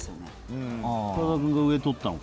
深澤君が上とったのか。